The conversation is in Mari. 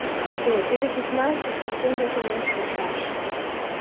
Уке, тиде письма Константин деке миен шушаш.